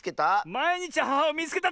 「まいにちアハハをみいつけた！」